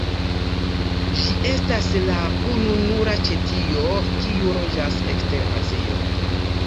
Ĝi estas la ununura ĉetio kiu loĝas ekster Azio.